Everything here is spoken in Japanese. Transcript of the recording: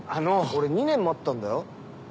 俺２年待ったんだよ。